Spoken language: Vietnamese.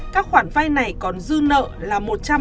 các khoản vay này còn dư nợ là một trăm ba mươi ba bảy trăm một mươi